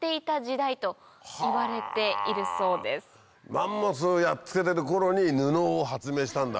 マンモスやっつけてる頃に布を発明したんだ。